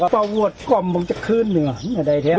ประวัติกรรมผมจะขึ้นหนึ่ง